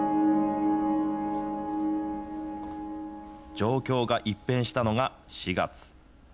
状況が一変したのが４月。